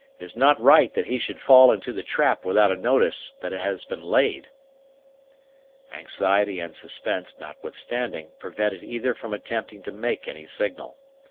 It is not right that he should fall into the trap without a notice that it has been laid." Anxiety and suspense, notwithstanding, prevented either from attempting to make any signal.